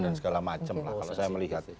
dan segala macam lah kalau saya melihat